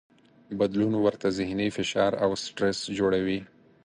بدلون ورته ذهني فشار او سټرس جوړوي.